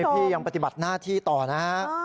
พี่ยังปฏิบัติหน้าที่ต่อนะฮะ